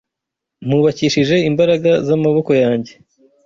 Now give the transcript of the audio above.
mpubakishije imbaraga z’amaboko yanjye